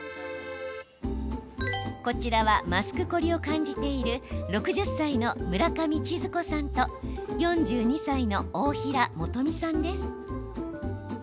こちらはマスクコリを感じている６０歳の村上千鶴子さんと４２歳の大平元美さんです。